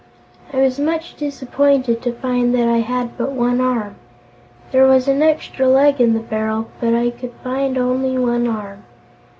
I was much disappointed to find that I had but one arm. There was an extra leg in the barrel, but I could find only one arm.